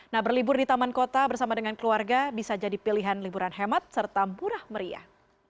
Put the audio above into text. nah berlibur di taman kota bersama dengan keluarga bisa jadi pilihan liburan hemat serta murah meriah